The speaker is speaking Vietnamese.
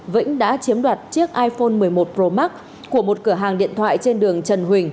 vĩnh đã chiếm đoạt chiếc iphone một mươi một pro max của một cửa hàng điện thoại trên đường trần huỳnh